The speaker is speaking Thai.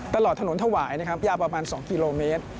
ตลอดถนนถวายนะครับยาวประมาณ๒กิโลเมตร